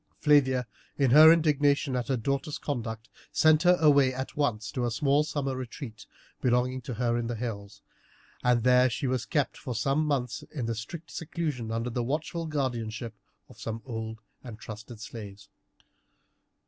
Flavia, in her indignation at her daughter's conduct, sent her away at once to a small summer retreat belonging to her in the hills, and there she was kept for some months in strict seclusion under the watchful guardianship of some old and trusted slaves.